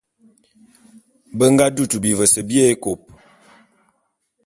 Be nga dutu bivese bié ékôp.